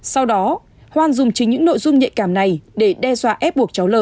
sau đó hoan dùng chính những nội dung nhạy cảm này để đe dọa ép buộc cháu l